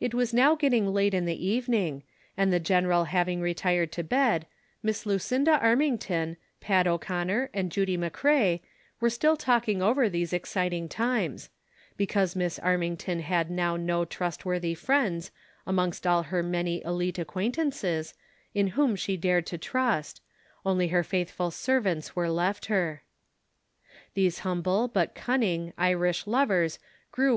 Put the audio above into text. It was now getting late in the evening, and the general having retired to bed, Miss Lucinda Armington, Pat O'Conner and Judy McCrea were still talking over these exciting times ; because Miss Armington had now no trustworthy friends, amongst all her many ^lite acquaint ances, in whom she dared to trust ; only her faithful ser vants were left her. These humble, but cunning, Irish lovers grew in